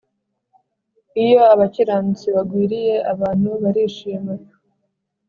Iyo abakiranutsi bagwiriye abantu barishima